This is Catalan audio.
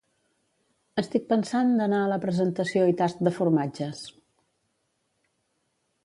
Estic pensant d'anar a la presentació i tast de formatges